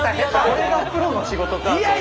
これがプロの仕事かと。